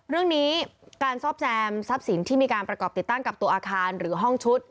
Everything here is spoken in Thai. เรื่องนี้การซ่อมแซมทรัพย์สินที่มีการประกอบติดตั้งกับตัวอาคารหรือห้องชุด